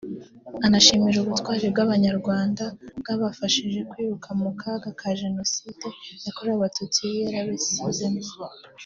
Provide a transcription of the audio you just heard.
anashimira ubutwari bw’Abanyarwanda bwabafashije kwikura mu kaga Jenoside yakorewe Abatutsi yari yabasizemo